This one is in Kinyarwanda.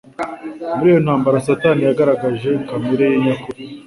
Muri iyo ntambara, Satani yagaragaje kamere ye nyakuri.